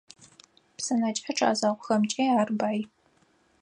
Псынэкӏэчъ ӏэзэгъухэмкӏи ар бай.